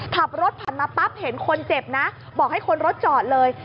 ขับรถผ่านมาปั๊บเห็นคนเจ็บนะบอกให้คนรถจอดเลย